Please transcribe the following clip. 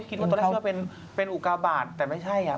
ที่คิดว่าตอนแรกเป็นอุกาบาทแต่ไม่ใช่